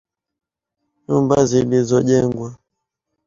Nyumba zilizojengwa.